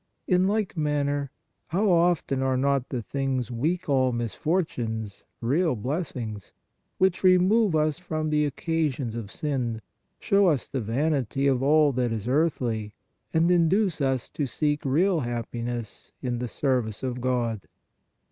In like manner, how often are not the things we call misfortunes real blessings, which remove us from the occasions of sin, show us the vanity of all that is earthly and induce us to seek real happiness in the service of God?